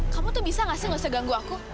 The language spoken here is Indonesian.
kamu tuh bisa gak sih gak usah ganggu aku